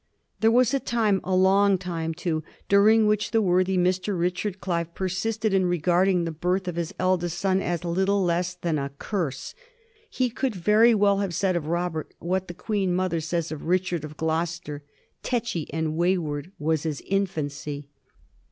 There was a time, a long time too, during which the worthy Mr. Richard Clive persisted in regarding the birth of this eldest son as little less than a curse. He could very well have said of Robert what the Queen mother says of Richard of Gloster, tetchy and wayward was his infancy.